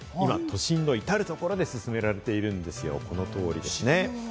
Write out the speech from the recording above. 都心のいたるところで進められているんですよ。